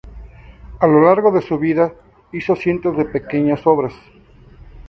A lo largo de su vida, hizo cientos de pequeñas obras.